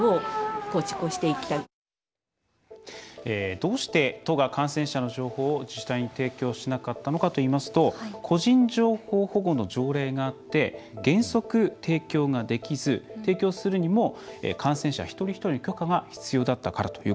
どうして都が感染者の情報を自治体に提供しなかったのかといいますと個人情報保護の条例があって原則提供ができず、提供するにも感染者一人一人の許可が必要だったからということなんです。